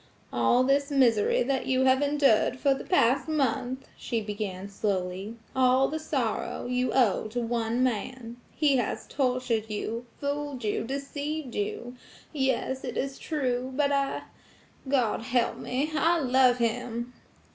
"All this misery that you have endured for the past month," she began slowly,–"all the sorrow, you owe to one man. He has tortured you, fooled you, deceived you–Yes, it is true; but I–God help me–I love him."